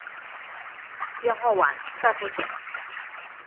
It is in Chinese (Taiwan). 驗貨完再付錢